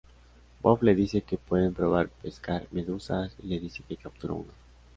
Bob le dice que pueden probar pescar medusas, y le dice que capturó una.